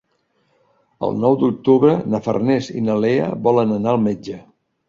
El nou d'octubre na Farners i na Lea volen anar al metge.